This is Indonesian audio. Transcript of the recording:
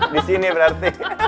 di sini berarti